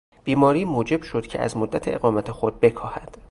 بیماری موجب شد که از مدت اقامت خود بکاهد.